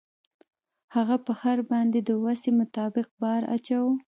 هغه په خر باندې د وسې مطابق بار اچاوه.